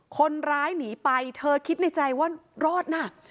คนร้ายหนีไปเธอคิดในใจว่ารอดน่ะ